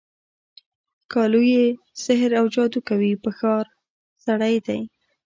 ښکالو یې سحراوجادوکوي په ښار، سړی دی